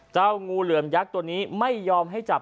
งูเหลือมยักษ์ตัวนี้ไม่ยอมให้จับ